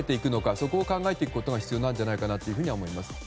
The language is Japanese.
そこを考えていくことが必要になるんじゃないかとは思います。